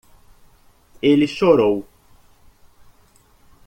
Ele chorou